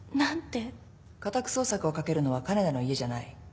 家宅捜索をかけるのは金田の家じゃない。